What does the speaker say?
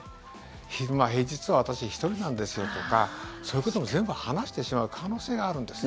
昼間、平日は私１人なんですよとかそういうことも全部話してしまう可能性があるんですよ。